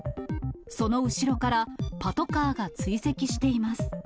その後ろから、パトカーが追跡しています。